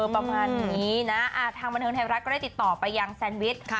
ประมาณนี้นะทางบันเทิงไทยรัฐก็ได้ติดต่อไปยังแซนวิช